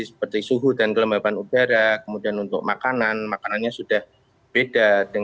seperti suhu dan kelembaban udara kemudian untuk makanan makanannya sudah beda